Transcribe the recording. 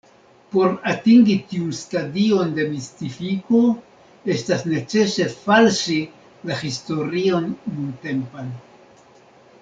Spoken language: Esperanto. Por atingi tiun stadion de mistifiko, estas necese falsi la historion nuntempan.